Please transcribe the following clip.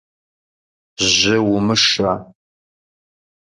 Жьы умышэ!